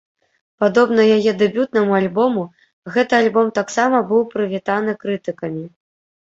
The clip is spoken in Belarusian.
Падобна яе дэбютнаму альбому, гэты альбом таксама быў прывітаны крытыкамі.